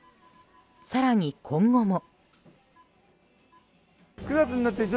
更に、今後も。